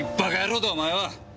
お前は。